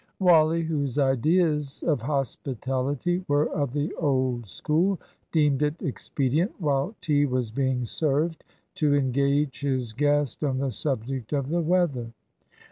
Wally, whose ideas of hospitality were of the old school, deemed it expedient, while tea was being served, to engage his guest on the subject of the weather.